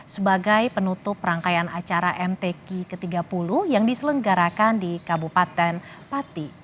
sebagai penutup rangkaian acara mtk ke tiga puluh yang diselenggarakan di kabupaten pati